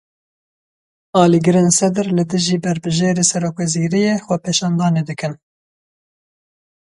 Alîgirên Sedr li dijî berbijêrê serokwezîriyê xwepêşandanê dikin.